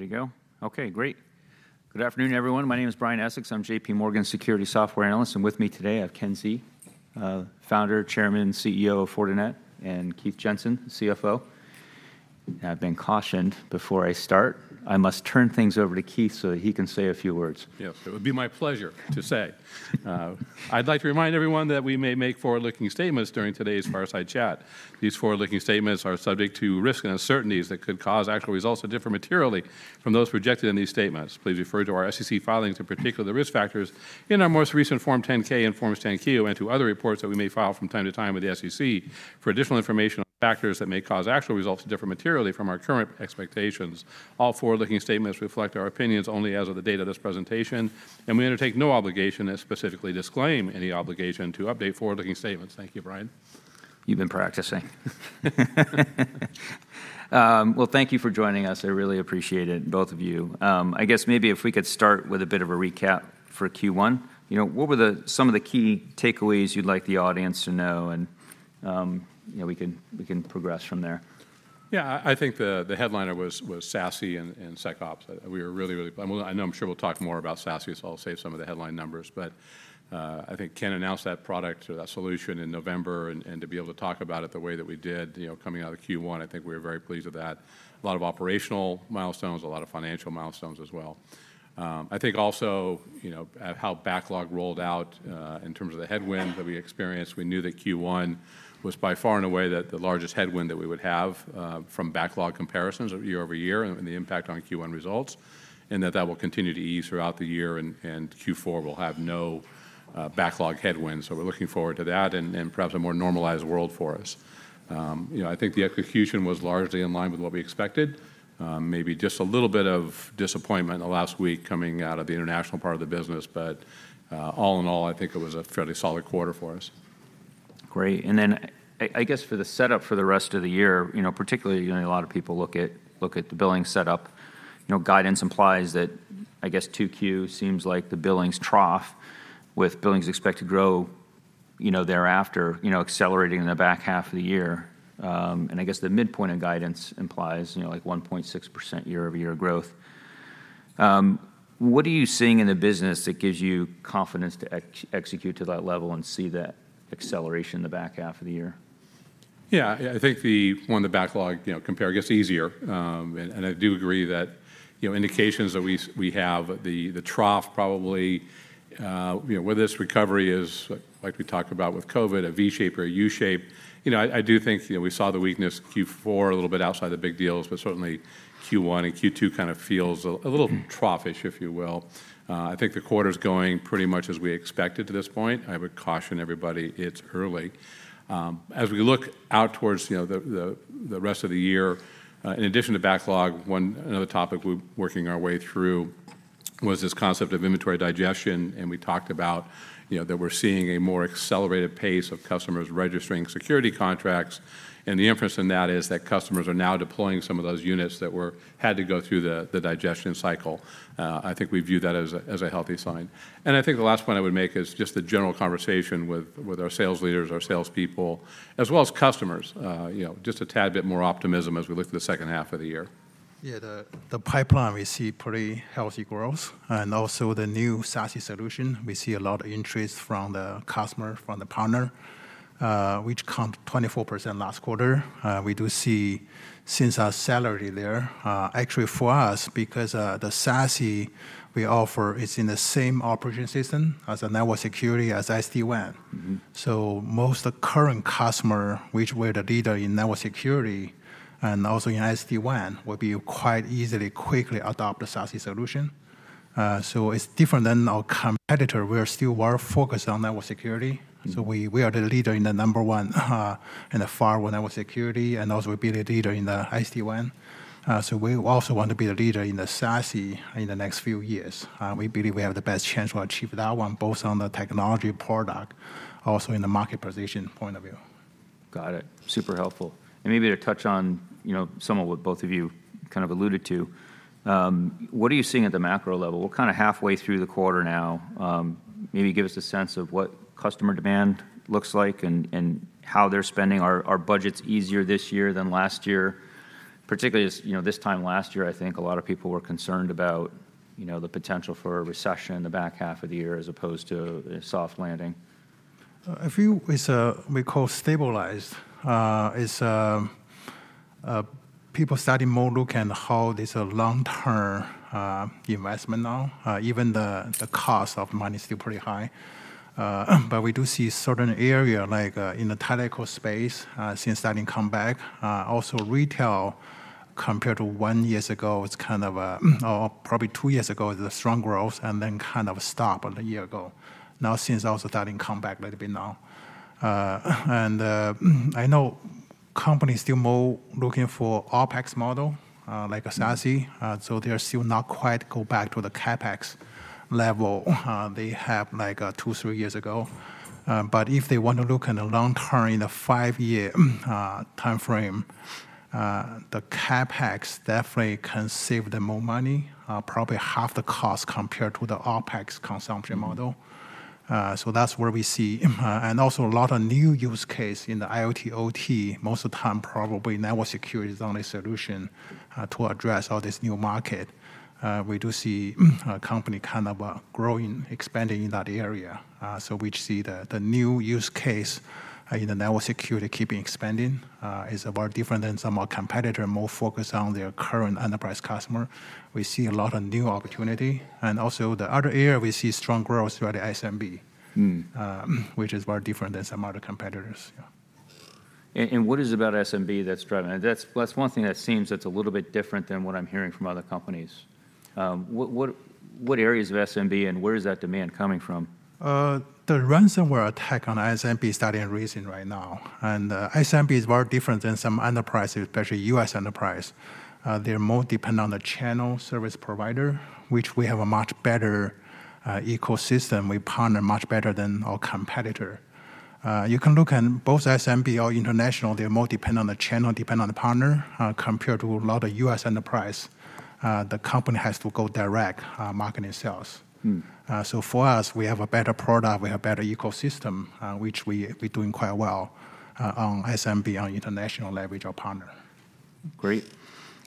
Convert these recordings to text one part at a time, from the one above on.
Ready to go? Okay, great. Good afternoon, everyone. My name is Brian Essex. I'm J.P. Morgan's security software analyst, and with me today, I have Ken Xie, Founder, Chairman, CEO of Fortinet, and Keith Jensen, CFO. I've been cautioned before I start, I must turn things over to Keith so that he can say a few words. Yes, it would be my pleasure to say. I'd like to remind everyone that we may make forward-looking statements during today's fireside chat. These forward-looking statements are subject to risks and uncertainties that could cause actual results to differ materially from those projected in these statements. Please refer to our SEC filings, in particular, the risk factors in our most recent Form 10-K and Form 10-Q and to other reports that we may file from time to time with the SEC for additional information on factors that may cause actual results to differ materially from our current expectations. All forward-looking statements reflect our opinions only as of the date of this presentation, and we undertake no obligation and specifically disclaim any obligation to update forward-looking statements. Thank you, Brian. You've been practicing. Well, thank you for joining us. I really appreciate it, both of you. I guess maybe if we could start with a bit of a recap for Q1. You know, what were some of the key takeaways you'd like the audience to know, and, you know, we can, we can progress from there. Yeah, I think the headliner was SASE and SecOps. We are really, really... Well, I know I'm sure we'll talk more about SASE, so I'll save some of the headline numbers. But, I think Ken announced that product or that solution in November, and to be able to talk about it the way that we did, you know, coming out of Q1, I think we were very pleased with that. A lot of operational milestones, a lot of financial milestones as well. I think also, you know, at how backlog rolled out, in terms of the headwind that we experienced, we knew that Q1 was by far and away the largest headwind that we would have, from backlog comparisons year-over-year and the impact on Q1 results, and that that will continue to ease throughout the year, and Q4 will have no backlog headwinds. So we're looking forward to that and, and perhaps a more normalized world for us. You know, I think the execution was largely in line with what we expected. Maybe just a little bit of disappointment in the last week coming out of the international part of the business, but, all in all, I think it was a fairly solid quarter for us. Great. And then I guess for the setup for the rest of the year, you know, particularly, you know, a lot of people look at the billing setup, you know, guidance implies that I guess 2Q seems like the billings trough, with billings expected to grow, you know, thereafter, you know, accelerating in the back half of the year. And I guess the midpoint of guidance implies, you know, like 1.6% year-over-year growth. What are you seeing in the business that gives you confidence to execute to that level and see that acceleration in the back half of the year? Yeah, I think the one, the backlog, you know, compare gets easier. And I do agree that, you know, indications that we have the trough probably, you know, whether this recovery is, like we talked about with COVID, a V shape or a U shape. You know, I do think, you know, we saw the weakness Q4 a little bit outside the big deals, but certainly Q1 and Q2 kind of feels a little trough-ish, if you will. I think the quarter's going pretty much as we expected to this point. I would caution everybody, it's early. As we look out towards, you know, the rest of the year, in addition to backlog, one another topic we're working our way through was this concept of inventory digestion. We talked about, you know, that we're seeing a more accelerated pace of customers registering security contracts. The inference in that is that customers are now deploying some of those units that had to go through the digestion cycle. I think we view that as a healthy sign. I think the last point I would make is just the general conversation with our sales leaders, our salespeople, as well as customers. You know, just a tad bit more optimism as we look to the second half of the year. Yeah, the pipeline, we see pretty healthy growth, and also the new SASE solution, we see a lot of interest from the customer, from the partner, which come 24% last quarter. We do see since our SASE there, actually for us, because the SASE we offer is in the same operating system as a network security as SD-WAN. So most current customer, which we're the leader in network security and also in SD-WAN, will be quite easily, quickly adopt the SASE solution. So it's different than our competitor. We are still more focused on network security. So we are the leader in the No. 1 in the firewall network security, and also we'll be the leader in the SD-WAN. So we also want to be the leader in the SASE in the next few years. We believe we have the best chance to achieve that one, both on the technology product, also in the market position point of view. Got it. Super helpful. And maybe to touch on, you know, some of what both of you kind of alluded to, what are you seeing at the macro level? We're kind of halfway through the quarter now. Maybe give us a sense of what customer demand looks like and, and how they're spending our, our budgets easier this year than last year. Particularly as, you know, this time last year, I think a lot of people were concerned about, you know, the potential for a recession in the back half of the year as opposed to a soft landing. I feel it's, we call stabilized. It's, people starting more look at how this a long-term, investment now, even the, the cost of money is still pretty high. But we do see certain area, like, in the telco space, since starting come back, also retail, compared to one year ago, it's kind of, or probably two years ago, the strong growth and then kind of stop a year ago. Now, since also starting come back a little bit now. And, I know companies still more looking for OpEx model, like a SASE, so they are still not quite go back to the CapEx level, they have like, two or three years ago. But if they want to look in the long term, in a five-year timeframe, the CapEx definitely can save them more money, probably half the cost compared to the OpEx consumption model. So that's where we see. And also a lot of new use case in the IoT/OT, most of the time, probably network security is the only solution to address all this new market. We do see a company kind of growing, expanding in that area. So we see the new use case in the network security keeping expanding is a lot different than some of our competitor, more focused on their current enterprise customer. We see a lot of new opportunity, and also the other area we see strong growth is through the SMB which is very different than some other competitors. Yeah. What is it about SMB that's driving...? That's one thing that seems that's a little bit different than what I'm hearing from other companies. What areas of SMB, and where is that demand coming from? The ransomware attack on SMB is starting increasing right now, and SMB is very different than some enterprise, especially U.S. enterprise. They're more dependent on the channel service provider, which we have a much better ecosystem. We partner much better than our competitor. You can look in both SMB or international, they're more dependent on the channel, dependent on the partner, compared to a lot of U.S. enterprise, the company has to go direct marketing sales. So, for us, we have a better product, we have better ecosystem, which we're doing quite well on SMB, on international leverage, or partner. Great.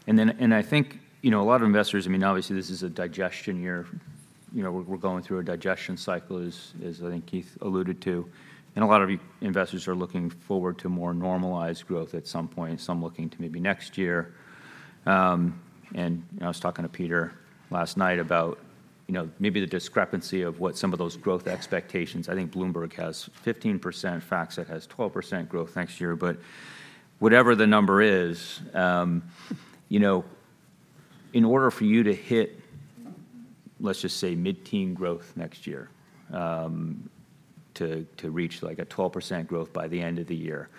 And then I think, you know, a lot of investors, I mean, obviously this is a digestion year. You know, we're going through a digestion cycle, as I think Keith alluded to, and a lot of investors are looking forward to more normalized growth at some point, some looking to maybe next year. And you know, I was talking to Peter last night about, you know, maybe the discrepancy of what some of those growth expectations. I think Bloomberg has 15%, FactSet has 12% growth next year. But whatever the number is, you know, in order for you to hit, let's just say, mid-teen growth next year, to reach, like, a 12% growth by the end of the year,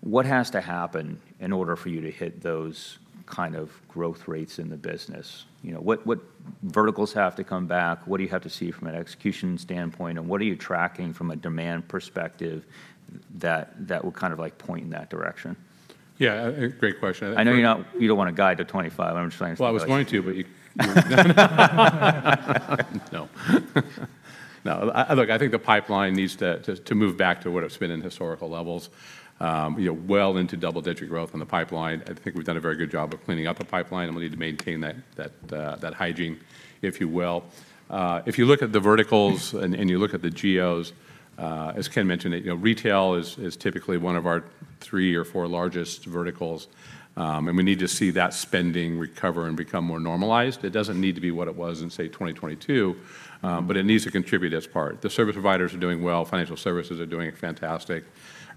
what has to happen in order for you to hit those kind of growth rates in the business? You know, what verticals have to come back? What do you have to see from an execution standpoint, and what are you tracking from a demand perspective that will kind of, like, point in that direction? Yeah, a great question. I know you don't want to guide to 2025. I'm just saying- Well, I was going to, but you... No. No, I... Look, I think the pipeline needs to move back to what it's been in historical levels, you know, well into double-digit growth in the pipeline. I think we've done a very good job of cleaning up the pipeline, and we need to maintain that hygiene, if you will. If you look at the verticals and you look at the geos, as Ken mentioned it, you know, retail is typically one of our three or four largest verticals, and we need to see that spending recover and become more normalized. It doesn't need to be what it was in, say, 2022, but it needs to contribute its part. The service providers are doing well. Financial services are doing fantastic,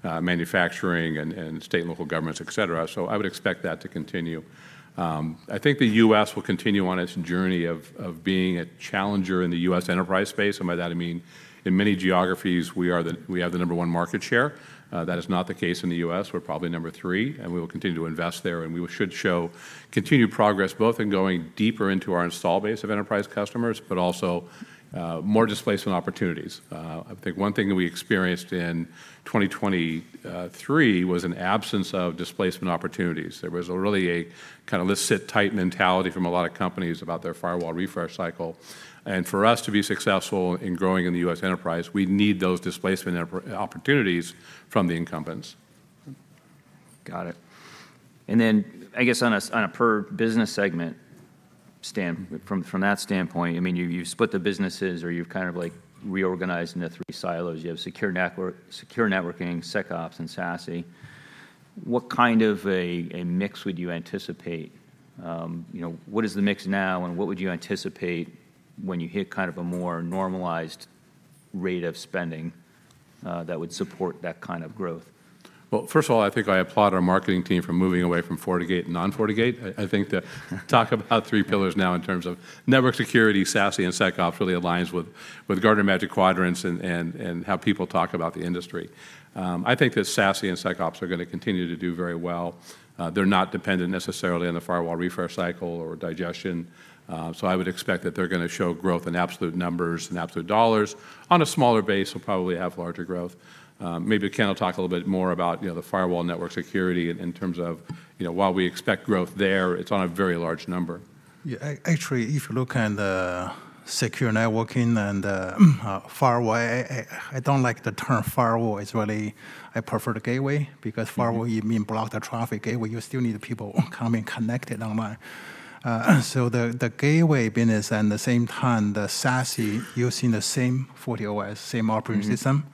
manufacturing and state and local governments, et cetera, so I would expect that to continue. I think the U.S. will continue on its journey of being a challenger in the U.S. enterprise space, and by that I mean, in many geographies, we are the, we have the number one market share. That is not the case in the U.S. We're probably number three, and we will continue to invest there, and we should show continued progress, both in going deeper into our install base of enterprise customers, but also, more displacement opportunities. I think one thing that we experienced in 2023 was an absence of displacement opportunities. There was really a kind of "let's sit tight" mentality from a lot of companies about their firewall refresh cycle. For us to be successful in growing in the U.S. enterprise, we need those displacement opportunities from the incumbents. Got it. And then, I guess on a per business segment standpoint, from that standpoint, I mean, you've split the businesses, or you've kind of like reorganized into three silos. You have Secure Networking, SecOps, and SASE. What kind of a mix would you anticipate? You know, what is the mix now, and what would you anticipate when you hit kind of a more normalized rate of spending, that would support that kind of growth? Well, first of all, I think I applaud our marketing team for moving away from FortiGate and non-FortiGate. I think the talk about three pillars now in terms of network security, SASE, and SecOps really aligns with Gartner Magic Quadrants and how people talk about the industry. I think that SASE and SecOps are going to continue to do very well. They're not dependent necessarily on the firewall refresh cycle or digestion, so I would expect that they're going to show growth in absolute numbers and absolute dollars. On a smaller base, we'll probably have larger growth. Maybe Ken will talk a little bit more about, you know, the firewall network security in terms of, you know, while we expect growth there, it's on a very large number. Yeah, actually, if you look at the Secure Networking and the firewall, I don't like the term firewall. It's really... I prefer the gateway, because firewall you mean block the traffic. Gateway, you still need the people coming, connected online. So the gateway business and the same time, the SASE, using the same FortiOS, same operating system.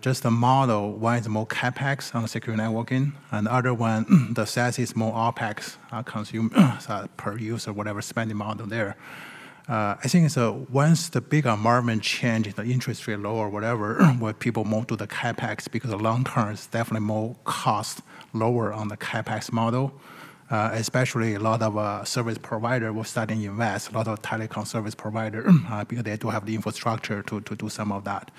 Just the model, one is more CapEx on the Secure Networking, and the other one, the SASE, is more OpEx, consume, per user, whatever spending model there. I think so once the big environment change, the interest rate low or whatever, where people move to the CapEx, because the long term, it's definitely more cost lower on the CapEx model. Especially a lot of service provider will start and invest, a lot of telecom service provider, because they do have the infrastructure to do some of that.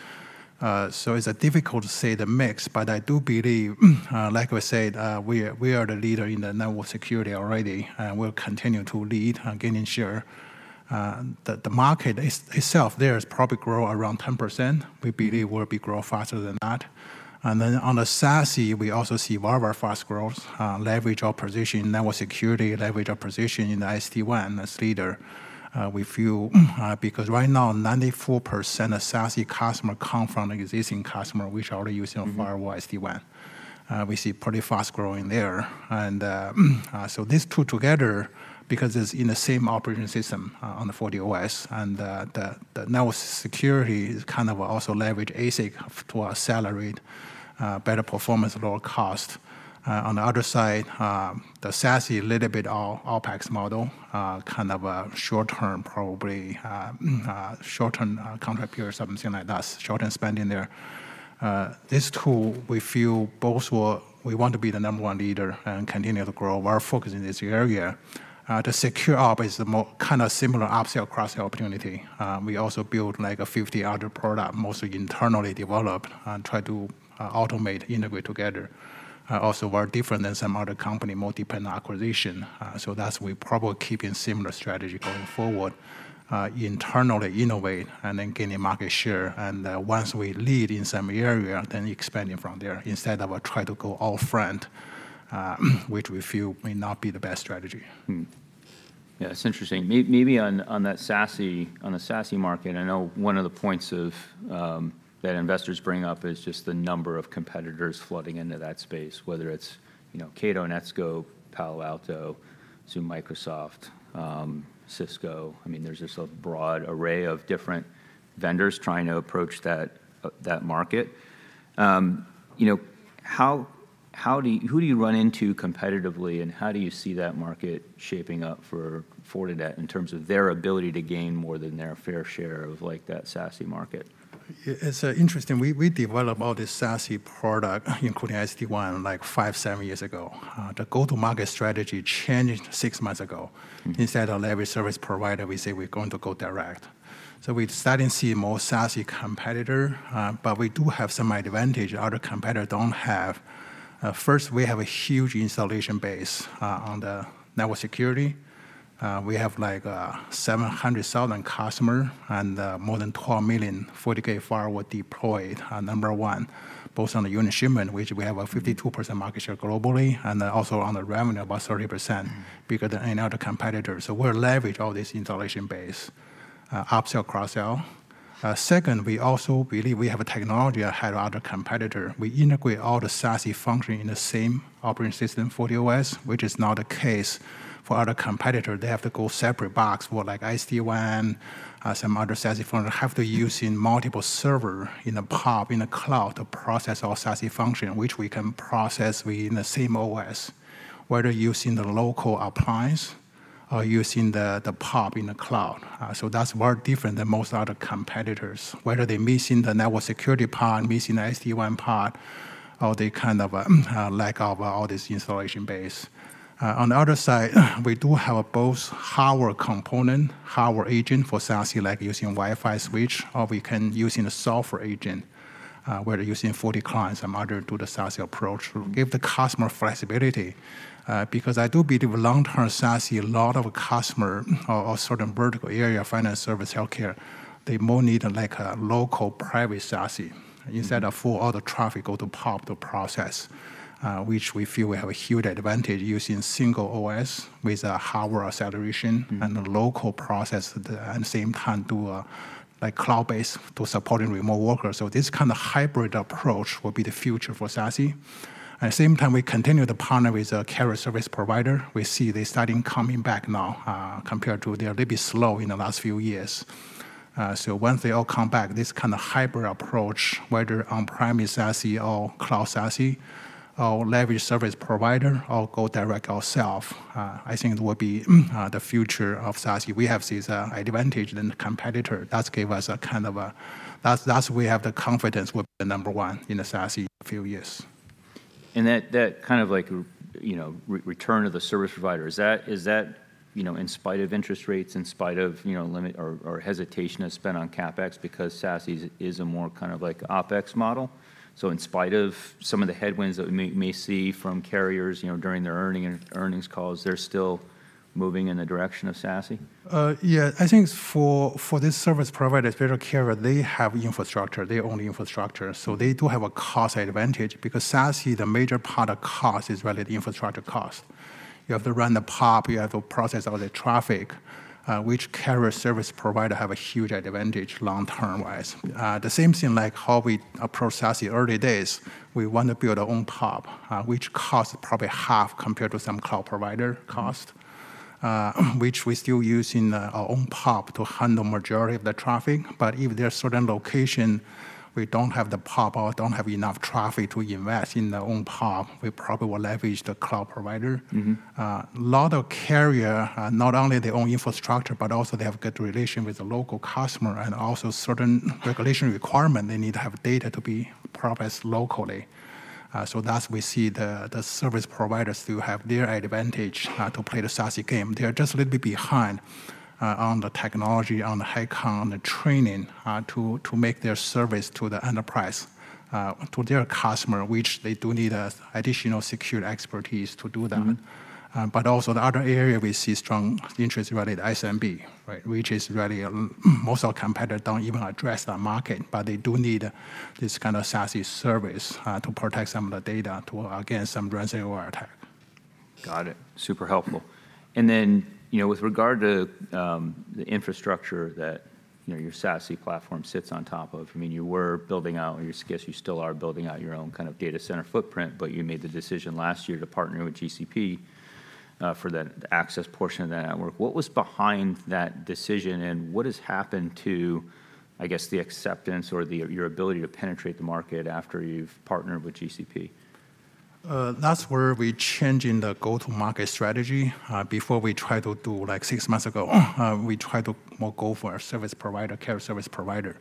So it's difficult to say the mix, but I do believe, like we said, we are, we are the leader in the network security already, and we'll continue to lead and gain share. The market itself there is probably grow around 10%. We believe we'll be grow faster than that. And then on the SASE, we also see very fast growth, leverage our position in network security, leverage our position in the SD-WAN as leader. We feel, because right now, 94% of SASE customer come from existing customer, which already using firewall SD-WAN. We see pretty fast growing there. So these two together, because it's in the same operating system, on the FortiOS, and the network security is kind of also leverage ASIC to accelerate better performance at lower cost. On the other side, the SASE little bit all OpEx model, kind of a short-term, probably short-term contract period, something like that. Short-term spending there. This two, we feel both will... We want to be the number one leader and continue to grow our focus in this area. The SecOps is the most kind of similar upsell, cross-sell opportunity. We also build, like, 50 other product, mostly internally developed, and try to automate, integrate together. Also, we're different than some other company, multiple acquisition. So that's where we're probably keeping similar strategy going forward. Internally innovate and then gaining market share, and, once we lead in some area, then expanding from there, instead of try to go all front, which we feel may not be the best strategy. Yeah, it's interesting. Maybe on that SASE, on the SASE market, I know one of the points that investors bring up is just the number of competitors flooding into that space, whether it's, you know, Cato, Netskope, Palo Alto, too Microsoft, Cisco. I mean, there's just a broad array of different vendors trying to approach that market. You know, who do you run into competitively, and how do you see that market shaping up for Fortinet in terms of their ability to gain more than their fair share of, like, that SASE market? It's interesting. We develop all this SASE product, including SD-WAN, like 5-7 years ago. The go-to-market strategy changed 6 months ago. Instead of every service provider, we say we're going to go direct. So we're starting to see more SASE competitor, but we do have some advantage other competitor don't have. First, we have a huge installation base on the network security. We have, like, 700,000 customer and more than 12 million FortiGate firewall deployed. Number one, both on the unit shipment, which we have a 52% market share globally, and then also on the revenue, about 30% bigger than any other competitor. So we're leverage all this installation base, upsell, cross-sell. Second, we also believe we have a technology ahead of other competitor. We integrate all the SASE function in the same operating system, FortiOS, which is not the case for other competitor. They have to go separate box for, like, SD-WAN, some other SASE function, have to use in multiple server in a PoP, in a cloud to process all SASE function, which we can process within the same OS, whether using the local appliance or using the PoP in the cloud. So that's where we're different than most other competitors, whether they're missing the network security part, missing SD-WAN part, or they kind of lack of all this installation base. On the other side, we do have both hardware component, hardware agent for SASE, like using Wi-Fi switch, or we can using a software agent, whether using FortiClient or other, do the SASE approach, give the customer flexibility. Because I do believe long-term SASE, a lot of customer or certain vertical area, finance, service, healthcare, they more need like a local private SASE instead of for all the traffic go to hub to process, which we feel we have a huge advantage using single OS with a hardware acceleration- and a local process, at the same time, do a, like, cloud-based to supporting remote workers. So this kind of hybrid approach will be the future for SASE. At the same time, we continue to partner with a carrier service provider. We see they starting coming back now, compared to they're a little bit slow in the last few years. So once they all come back, this kind of hybrid approach, whether on-premise SASE or cloud SASE, or leverage service provider, or go direct ourselves, I think it will be, the future of SASE. We have this advantage than the competitor. That's give us a kind of confidence we'll be the number one in the SASE few years. And that kind of like, you know, return to the service provider, is that, you know, in spite of interest rates, in spite of, you know, limited or hesitation to spend on CapEx because SASE is a more kind of like OpEx model? So in spite of some of the headwinds that we may see from carriers, you know, during their earnings calls, they're still moving in the direction of SASE? Yeah, I think for the service providers, especially carrier, they have infrastructure. They own the infrastructure. So they do have a cost advantage because SASE, the major part of cost is really the infrastructure cost. You have to run the PoP, you have to process all the traffic, which carrier service provider have a huge advantage long-term wise. The same thing, like how we approach SASE early days, we want to build our own PoP, which costs probably half compared to some cloud provider cost, which we're still using, our own PoP to handle majority of the traffic. But if there are certain location, we don't have the PoP or don't have enough traffic to invest in their own PoP, we probably will leverage the cloud provider. A lot of carriers, not only they own infrastructure, but also they have good relation with the local customer and also certain regulation requirement, they need to have data to be processed locally. So thus we see the service providers do have their advantage to play the SASE game. They are just a little bit behind on the technology, on the headcount, on the training to make their service to the enterprise to their customer, which they do need additional secure expertise to do that. But also the other area we see strong interest is really the SMB, right? Which is really, most of our competitor don't even address that market, but they do need this kind of SASE service, to protect some of the data against some ransomware attack. Got it. Super helpful. And then, you know, with regard to, the infrastructure that, you know, your SASE platform sits on top of, I mean, you were building out, or I guess you still are building out your own kind of data center footprint, but you made the decision last year to partner with GCP, for the access portion of the network. What was behind that decision, and what has happened to, I guess, the acceptance or the, your ability to penetrate the market after you've partnered with GCP? That's where we're changing the go-to-market strategy. Before we try to do, like six months ago, we tried to more go for a service provider, carrier service provider.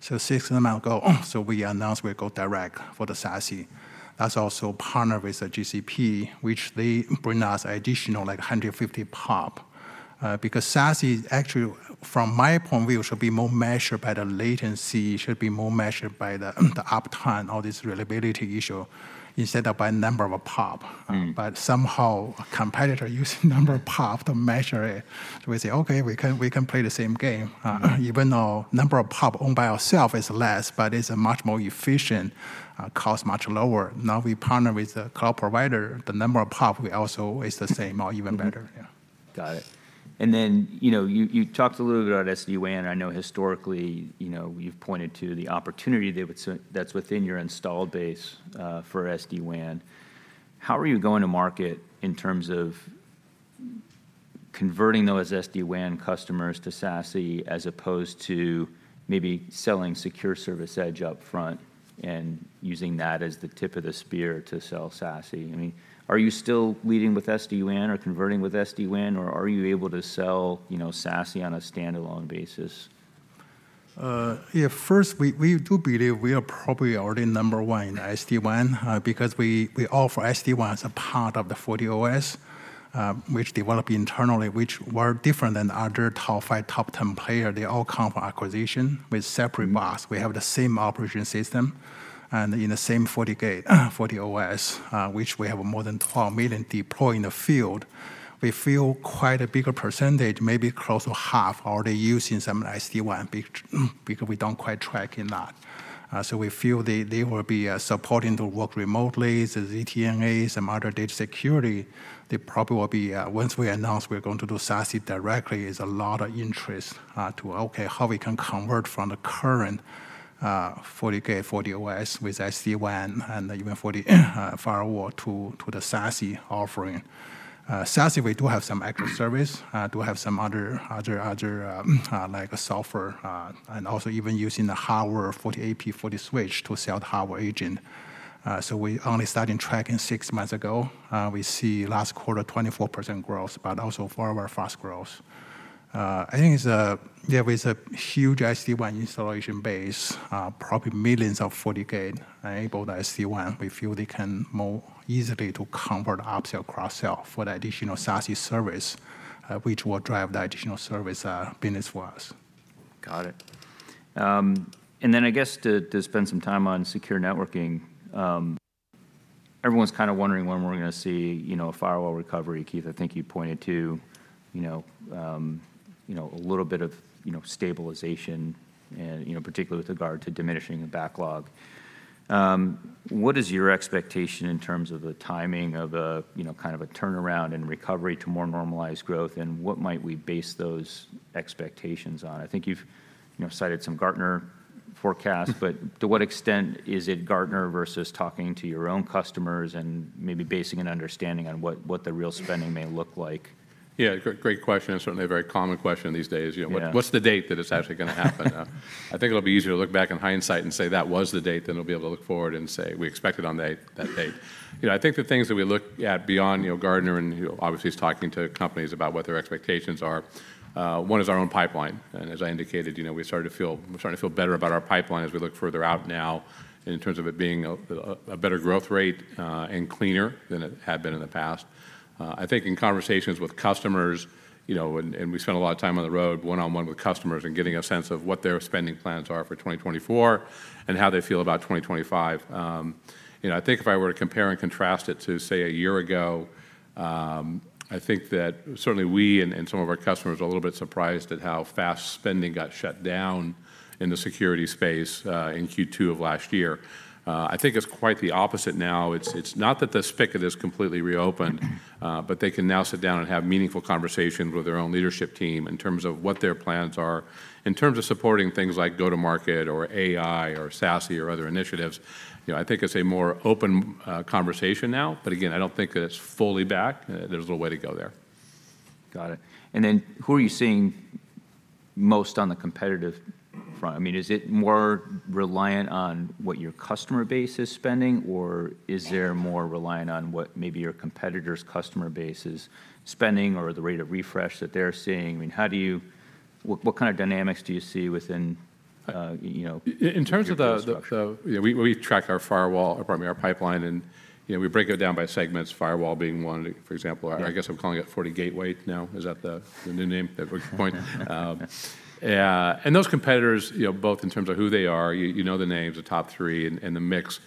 So six months ago, so we announced we go direct for the SASE. That's also partner with the GCP, which they bring us additional like 150 PoP. Because SASE is actually, from my point of view, should be more measured by the latency, should be more measured by the uptime, all this reliability issue, instead of by number of PoP. But somehow, a competitor using number of PoP to measure it, we say, "Okay, we can, we can play the same game," even though number of PoP owned by ourselves is less, but it's a much more efficient, cost much lower. Now we partner with the cloud provider, the number of PoP we also is the same or even better. Yeah. Got it. And then, you know, you talked a little bit about SD-WAN. I know historically, you know, you've pointed to the opportunity that's within your installed base for SD-WAN. How are you going to market in terms of converting those SD-WAN customers to SASE, as opposed to maybe selling Secure Service Edge up front and using that as the tip of the spear to sell SASE? I mean, are you still leading with SD-WAN or converting with SD-WAN, or are you able to sell, you know, SASE on a standalone basis? Yeah, first, we do believe we are probably already number one in SD-WAN because we offer SD-WAN as a part of the FortiOS, which develop internally, which we're different than other top five, top 10 player. They all come from acquisition with separate mask. We have the same operating system and in the same FortiGate, FortiOS, which we have more than 12 million deploy in the field. We feel quite a bigger percentage, maybe close to half, are already using some SD-WAN because we don't quite track in that. So we feel they will be supporting the work remotely, the ZTNA, some other data security. They probably will be once we announce we're going to do SASE directly, there is a lot of interest in how we can convert from the current FortiGate, FortiOS with SD-WAN and even FortiGate firewall to the SASE offering. SASE, we do have some extra service, do have some other like a software, and also even using the hardware FortiAP, FortiSwitch to sell the hardware agent. So we only started tracking six months ago. We see last quarter, 24% growth, but also far more fast growth. I think it's a, there is a huge SD-WAN installation base, probably millions of FortiGate-enabled SD-WAN. We feel they can more easily to convert upsell, cross-sell for the additional SASE service, which will drive the additional service business for us. Got it. And then I guess to spend some time on Secure Networking. Everyone's kind of wondering when we're going to see, you know, a firewall recovery. Keith, I think you pointed to, you know, you know, a little bit of, you know, stabilization and, you know, particularly with regard to diminishing the backlog. What is your expectation in terms of the timing of a, you know, kind of a turnaround and recovery to more normalized growth, and what might we base those expectations on? I think you've, you know, cited some Gartner forecast- but to what extent is it Gartner versus talking to your own customers and maybe basing an understanding on what the real spending may look like? Yeah, great, great question, and certainly a very common question these days. Yeah. You know, what, what's the date that it's actually gonna happen? I think it'll be easier to look back in hindsight and say that was the date, than it'll be able to look forward and say, we expected on that, that date. You know, I think the things that we look at beyond, you know, Gartner, and obviously he's talking to companies about what their expectations are, one is our own pipeline. And as I indicated, you know, we're starting to feel- we're starting to feel better about our pipeline as we look further out now in terms of it being a better growth rate, and cleaner than it had been in the past. I think in conversations with customers, you know, and we spend a lot of time on the road, one-on-one with customers and getting a sense of what their spending plans are for 2024 and how they feel about 2025. You know, I think if I were to compare and contrast it to, say, a year ago, I think that certainly we and, and some of our customers are a little bit surprised at how fast spending got shut down in the security space in Q2 of last year. I think it's quite the opposite now. It's, it's not that the spigot is completely reopened, but they can now sit down and have meaningful conversations with their own leadership team in terms of what their plans are. In terms of supporting things like go-to-market or AI or SASE or other initiatives, you know, I think it's a more open conversation now, but again, I don't think it's fully back. There's a little way to go there. Got it. And then, who are you seeing most on the competitive front? I mean, is it more reliant on what your customer base is spending, or is there more reliant on what maybe your competitor's customer base is spending or the rate of refresh that they're seeing? I mean, how do you... What, what kind of dynamics do you see within you know, In terms of the, yeah, we track our firewall, or pardon me, our pipeline, and, you know, we break it down by segments, firewall being one, for example. I guess I'm calling it FortiGateway now. Is that the, the new name at this point? Yeah, and those competitors, you know, both in terms of who they are, you, you know the names, the top three, and, and the mix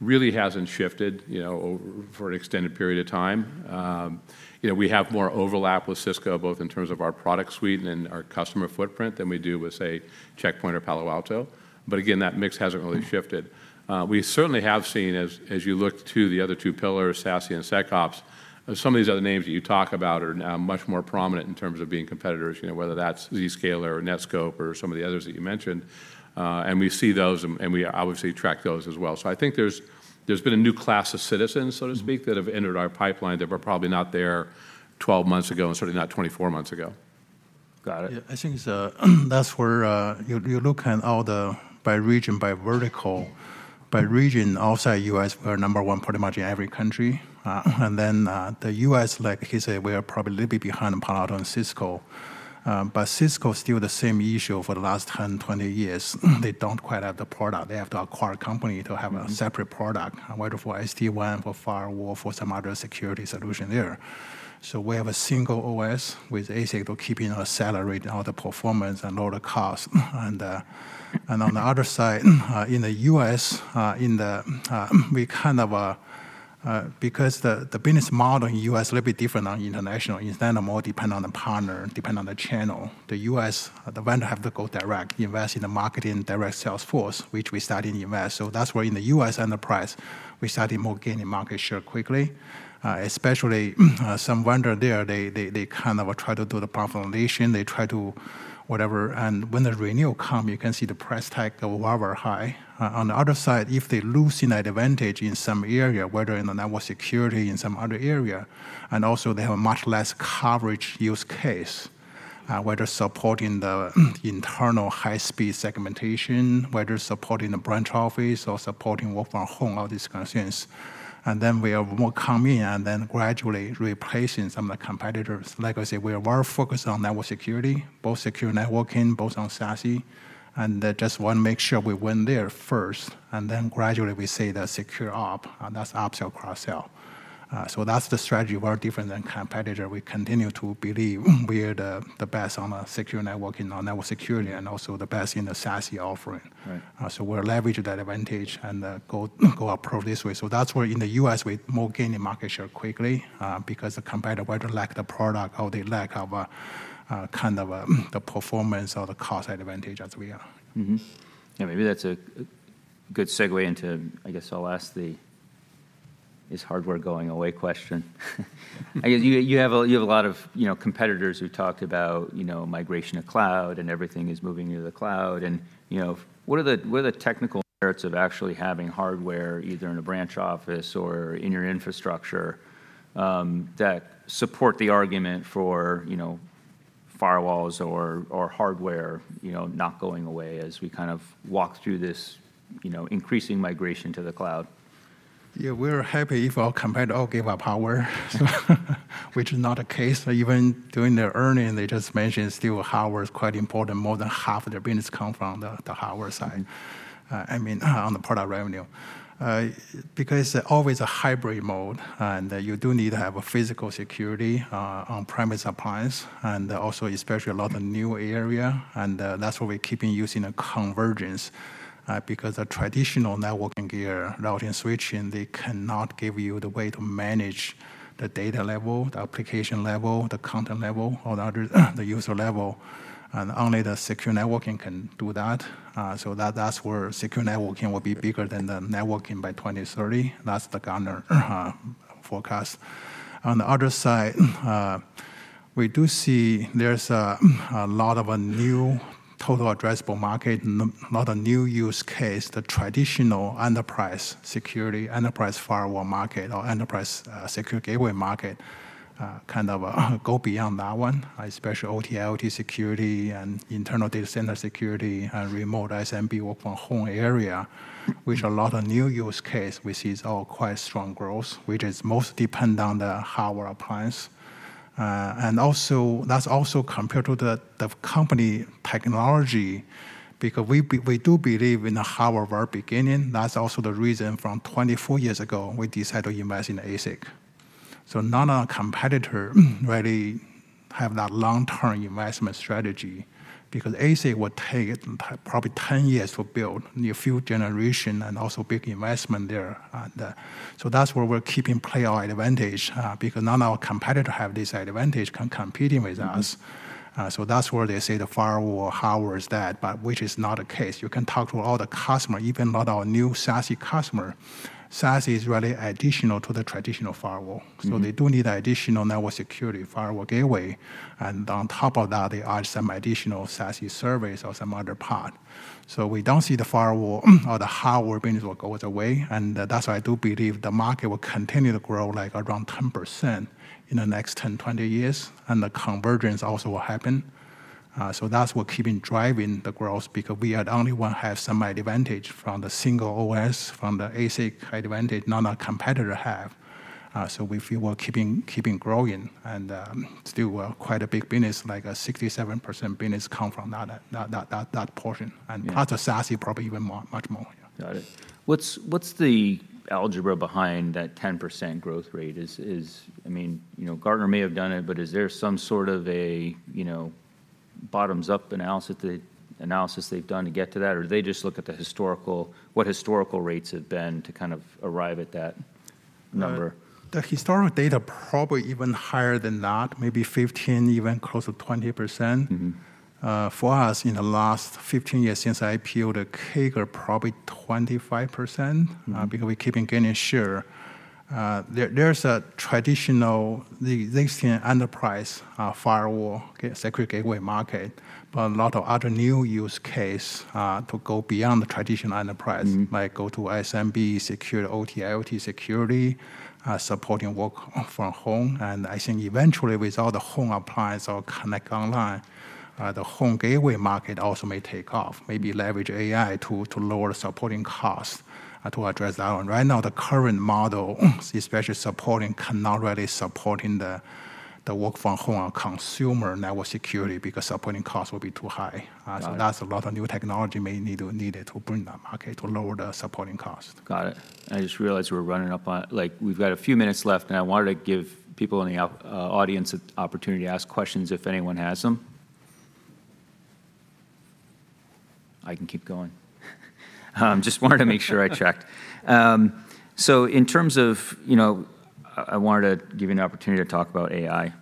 really hasn't shifted, you know, over—for an extended period of time. You know, we have more overlap with Cisco, both in terms of our product suite and our customer footprint, than we do with, say, Check Point or Palo Alto. But again, that mix hasn't really shifted. We certainly have seen as, as you look to the other two pillars, SASE and SecOps, some of these other names that you talk about are now much more prominent in terms of being competitors, you know, whether that's Zscaler or Netskope or some of the others that you mentioned. We see those, and we obviously track those as well. So I think there's, there's been a new class of citizens, so to speak that have entered our pipeline that were probably not there 12 months ago, and certainly not 24 months ago. Got it. Yeah, I think it's, that's where you look at all the by region, by vertical. By region, outside U.S., we're number one pretty much in every country. And then, the U.S., like he said, we are probably a little bit behind Palo Alto and Cisco. But Cisco is still the same issue for the last 10, 20 years. They don't quite have the product. They have to acquire a company to have a separate product, whether for SD-WAN, for firewall, for some other security solution there. So we have a single OS with ASIC, but keeping our salary down, the performance and lower the cost. And on the other side, in the U.S., we kind of... Because the business model in U.S. a little bit different than international more depend on the partner, depend on the channel. The U.S., the vendor have to go direct, invest in the marketing, direct sales force, which we started to invest. So that's where in the U.S. enterprise, we started more gaining market share quickly, especially, some vendor there, they kind of try to do the proper automation. They try to whatever. And when the renewal come, you can see the price tag go however high. On the other side, if they lose competitive advantage in some area, whether in the network security, in some other area, and also they have a much less coverage use case, whether supporting the internal high-speed segmentation, whether supporting the branch office or supporting work from home, all these concerns. Then we are more come in and then gradually replacing some of the competitors. Like I said, we are very focused on network security, both Secure Networking, both on SASE, and then just want to make sure we win there first, and then gradually we see the SecOps, and that's upsell, cross-sell. So that's the strategy, very different than competitor. We continue to believe we are the best on the Secure Networking, on network security, and also the best in the SASE offering. Right. So we're leveraging that advantage and approach this way. So that's where in the U.S., we more gaining market share quickly, because the competitor either lack the product or they lack of a kind of the performance or the cost advantage as we are. Maybe that's a good segue into... I guess I'll ask the, "Is hardware going away?" question. I guess you have a lot of, you know, competitors who talked about, you know, migration to cloud, and everything is moving to the cloud. And, you know, what are the, what are the technical merits of actually having hardware, either in a branch office or in your infrastructure, that support the argument for, you know, firewalls or, or hardware, you know, not going away as we kind of walk through this, you know, increasing migration to the cloud? Yeah, we're happy if our competitor all give up hardware, so which is not the case. Even during their earning, they just mentioned still hardware is quite important. More than half of their business come from the, the hardware side, I mean, on the product revenue. Because always a hybrid mode, and you do need to have a physical security, on-premises appliance, and also especially a lot of new area. And, that's why we're keeping using a convergence, because a traditional networking gear, routing, switching, they cannot give you the way to manage the data level, the application level, the content level, or the other, the user level, and only the Secure Networking can do that. So that, that's where Secure Networking will be bigger than the networking by 2030. That's the Gartner forecast. On the other side, we do see there's a lot of a new total addressable market, not a new use case. The traditional enterprise security, enterprise firewall market or enterprise, secure gateway market, kind of, go beyond that one, especially OT, IoT security and internal data center security and remote SMB, work from home area, which a lot of new use case, which is all quite strong growth, which is most depend on the hardware appliance. And also, that's also compared to the, the company technology, because we do believe in the hardware beginning. That's also the reason from 24 years ago, we decided to invest in ASIC. So none of our competitor really have that long-term investment strategy, because ASIC would take probably 10 years to build new future generation and also big investment there. That's where we're keeping our advantage, because none of our competitors have this advantage in competing with us. So that's where they say the firewall hardware is dead, but which is not the case. You can talk to all the customer, even a lot of our new SASE customer. SASE is really additional to the traditional firewall. So they do need additional network security, firewall gateway, and on top of that, they add some additional SASE service or some other part. So we don't see the firewall or the hardware business will go away, and that's why I do believe the market will continue to grow, like, around 10% in the next 10, 20 years, and the convergence also will happen. So that's what keeping driving the growth, because we are the only one have some advantage from the single OS, from the ASIC advantage none of competitor have. So we feel we're keeping, keeping growing, and, still, quite a big business, like, 67% business come from that, that, that, that, that portion. Part of SaaS is probably even more, much more, yeah. Got it. What's the algebra behind that 10% growth rate? I mean, you know, Gartner may have done it, but is there some sort of a, you know, bottoms-up analysis they've done to get to that? Or did they just look at what historical rates have been to kind of arrive at that number? The historical data probably even higher than that, maybe 15, even close to 20%. For us, in the last 15 years since IPO, the CAGR probably 25% because we keeping gaining share. There's a traditional, they see an enterprise firewall secure gateway market. But a lot of other new use case to go beyond the traditional enterprise like go to SMB security, OT/IoT security, supporting work from home. And I think eventually, with all the home appliance all connect online, the home gateway market also may take off, maybe leverage AI to, to lower supporting costs, to address that one. Right now, the current model, especially supporting, cannot really supporting the, the work from home consumer network security, because supporting costs will be too high. Got it. So that's a lot of new technology needed to bring the market to lower the supporting cost. Got it. I just realized we're running up on... Like, we've got a few minutes left, and I wanted to give people in the audience an opportunity to ask questions, if anyone has them. I can keep going. Just wanted to make sure I checked. So in terms of, you know, I wanted to give you an opportunity to talk about AI.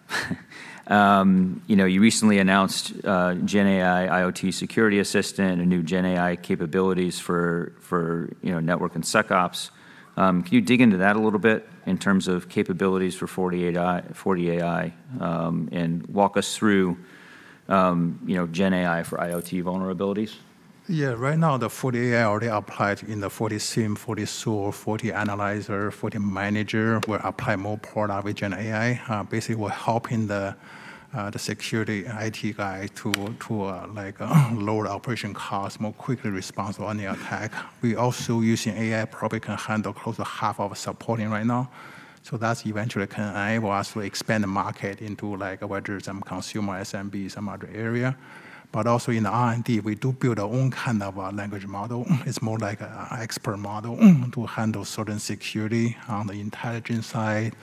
You know, you recently announced, GenAI IoT Security Assistant and new GenAI capabilities for, for, you know, network and SecOps. Can you dig into that a little bit in terms of capabilities for FortiAI- FortiAI, and walk us through, you know, GenAI for IoT vulnerabilities? Yeah. Right now, the FortiAI already applied in the FortiSIEM, FortiSOAR, FortiAnalyzer, FortiManager. We apply more product with GenAI, basically we're helping the, the security and IT guy to, to, like, lower operation costs, more quickly respond to any attack. We also using AI, probably can handle close to half of our supporting right now. So that eventually can enable us to expand the market into, like, whether it's, consumer, SMB, some other area. But also in R&D, we do build our own kind of a language model. It's more like a, a expert model, to handle certain security on the intelligence side,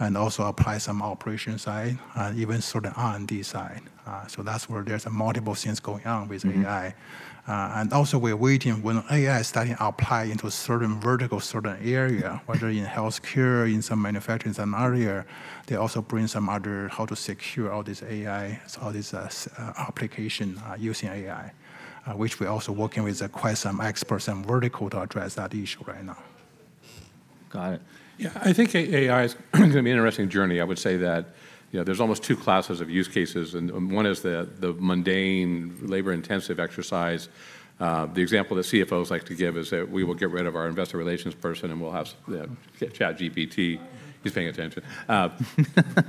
and also apply some operation side, even sort of on R&D side. So that's where there's multiple things going on with AI. And also, we're waiting. When AI starting to apply into a certain vertical, certain area, whether in healthcare, in some manufacturing, some area, they also bring some other how to secure all this AI, all this, application, using AI. Which we're also working with quite some experts and vertical to address that issue right now. Got it. Yeah, I think AI is gonna be an interesting journey. I would say that, you know, there's almost two classes of use cases, and, and one is the, the mundane, labor-intensive exercise. The example the CFOs like to give is that we will get rid of our investor relations person, and we'll have the ChatGPT he's paying attention,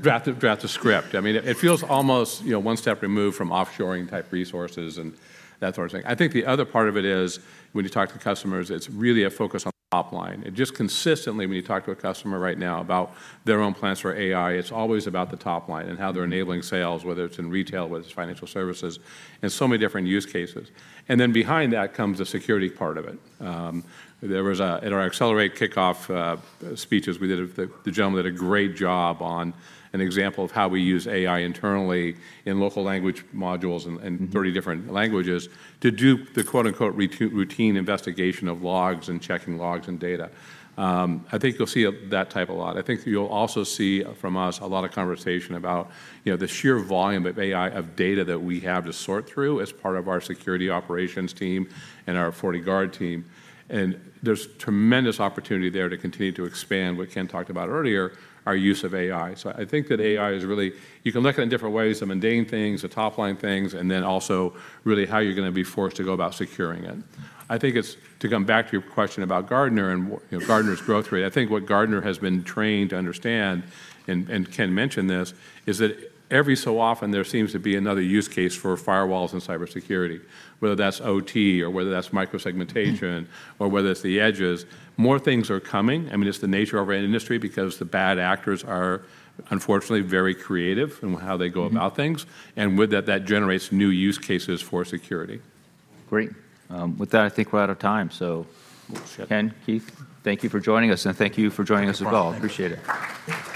draft a script. I mean, it feels almost, you know, one step removed from offshoring-type resources and that sort of thing. I think the other part of it is, when you talk to customers, it's really a focus on the top line. It just consistently, when you talk to a customer right now about their own plans for AI, it's always about the top line and how they're enabling sales, whether it's in retail, whether it's financial services, and so many different use cases. And then behind that comes the security part of it. There was a our Accelerate kickoff, speeches we did, the gentleman did a great job on an example of how we use AI internally in local language modules and, and thirty different languages to do the, quote-unquote, "routine investigation of logs and checking logs and data." I think you'll see that type a lot. I think you'll also see from us a lot of conversation about, you know, the sheer volume of AI, of data that we have to sort through as part of our security operations team and our FortiGuard team. And there's tremendous opportunity there to continue to expand what Ken talked about earlier, our use of AI. So I think that AI is really... You can look at it in different ways, the mundane things, the top-line things, and then also really how you're gonna be forced to go about securing it. I think it's to come back to your question about Gartner and you know, Gartner's growth rate. I think what Gartner has been trained to understand, and Ken mentioned this, is that every so often there seems to be another use case for firewalls and cybersecurity, whether that's OT or whether that's micro-segmentation or whether it's the edges. More things are coming, I mean, it's the nature of our industry because the bad actors are unfortunately very creative in how they go about things. With that, that generates new use cases for security. Great. With that, I think we're out of time. So Ken, Keith, thank you for joining us, and thank you for joining us as well. Thank you. Appreciate it.